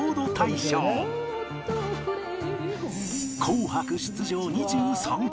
『紅白』出場２３回